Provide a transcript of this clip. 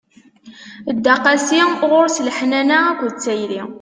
Dda qasi, ɣur-s leḥnana akked tayri.